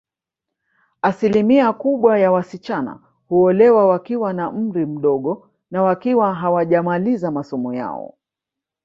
Asilimia kubwa ya wasichana huolewa wakiwa na umri mdogo na wakiwa hawajamaliza masomo yao